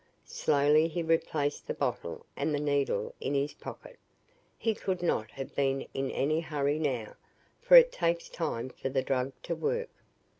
Slowly he replaced the bottle and the needle in his pocket. He could not have been in any hurry now, for it takes time for the drug to work."